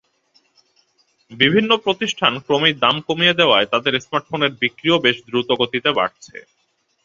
বিভিন্ন প্রতিষ্ঠান ক্রমেই দাম কমিয়ে দেওয়ায় তাদের স্মার্টফোনের বিক্রিও বেশ দ্রুতগতিতে বাড়ছে।